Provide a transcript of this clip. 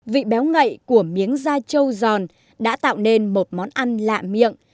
vị béo ngậy của miếng da châu giòn đã tạo nên một món ăn lạ miệng